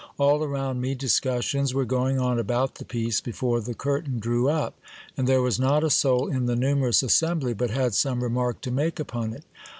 All around me, discussions were going on about the piece before the curtain drew up ; and there was not a soul in the numerous assembly but had some remark to make upon it.